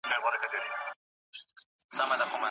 عدالت تر ظلم ډېر پیاوړی دی.